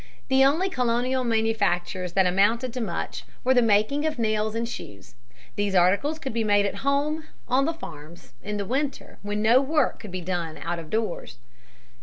The only colonial manufactures that amounted to much were the making of nails and shoes. These articles could be made at home on the farms, in the winter, when no work could be done out of doors.